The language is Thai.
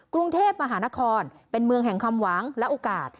กรุงเทพมหานครเป็นเมืองแห่งความหวังและโอกาส